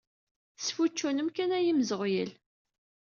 Tesfuččunem kan ay imzeɣyal.